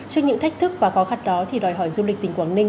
trước những thách thức và khó khăn đó thì đòi hỏi du lịch tỉnh quảng ninh